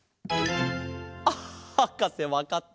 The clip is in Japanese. あっはかせわかった！